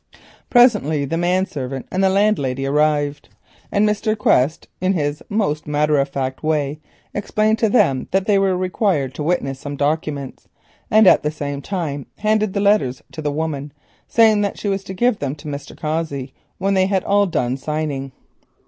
Presently the man servant and the landlady arrived, and Mr. Quest, in his most matter of fact way, explained to them that they were required to witness some documents. At the same time he handed the letters to the woman, saying that she was to give them to Mr. Cossey when they had all done signing.